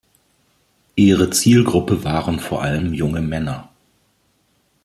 Ihre Zielgruppe waren vor allem junge Männer.